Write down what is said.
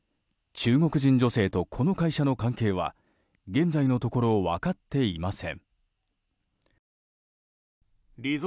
中国人女性と、この会社の関係は現在のところ分かっていません。